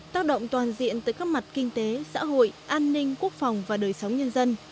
tác động toàn diện tới các mặt kinh tế xã hội an ninh quốc phòng và đời sống nhân dân